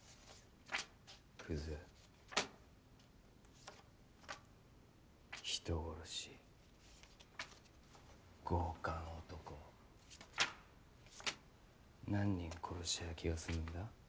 クズ人殺し強姦男何人殺しゃ気が済むんだ？